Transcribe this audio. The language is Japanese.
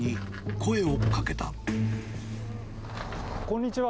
こんにちは。